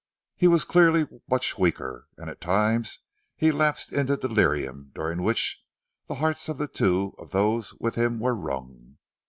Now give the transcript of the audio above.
He was clearly much weaker, and at times he lapsed into delirium during which the hearts of two of those with him were wrung.